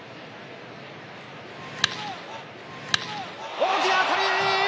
大きな当たり！